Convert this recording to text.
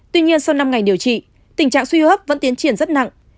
tuy nhiên sau năm ngày điều trị tình trạng suy hấp vẫn tiến triển rất nặng